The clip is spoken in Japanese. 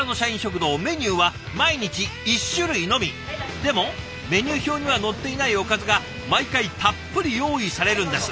でもメニュー表には載っていないおかずが毎回たっぷり用意されるんです。